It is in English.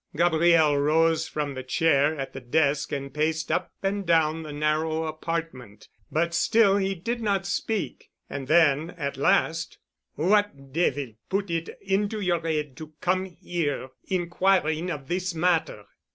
Gabriel rose from the chair at the desk and paced up and down the narrow apartment, but still he did not speak. And then at last, "What devil put it into your head to come here inquiring of this matter?"